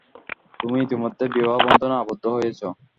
তুমি ইতোমধ্যেই বিবাহ বন্ধনে আবদ্ধ হয়েছ।